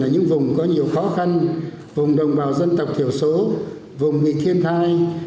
ở những vùng có nhiều khó khăn vùng đồng bào dân tộc thiểu số vùng bị thiên tai